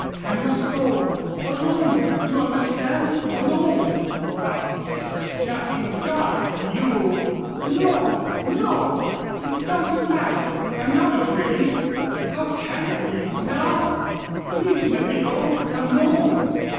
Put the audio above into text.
I must go alone, you understand alone " "But it is getting dark, you " "No, no! It doesn't matter. I'm not afraid. How can I be now? Please let me go alone.